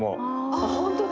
あっ本当だ。